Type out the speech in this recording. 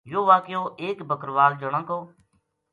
یوہ واقعو ایک بکروال جنا کو